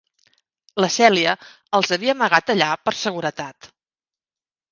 La Cèlia els havia amagat allà per seguretat.